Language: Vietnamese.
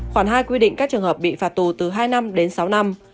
khoản hai quy định các trường hợp bị phạt tù từ hai năm đến sáu năm